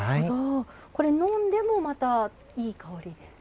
これ、飲んでもまたいい香りですか？